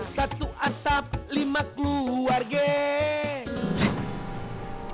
satu atap lima keluar geng